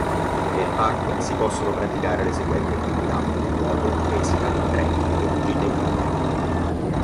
Nel parco si possono praticare le seguenti attività: nuoto, pesca, trekking, gite in battello.